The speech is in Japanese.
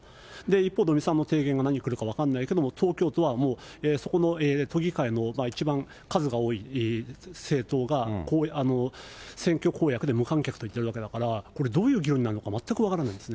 一方で尾身さんの提言が何来るか分からないけども、東京都はもう、そこの、都議会の一番数が多い政党が、選挙公約で無観客と言ってるわけだから、これ、どういう議論になるのか、全く分からないですね。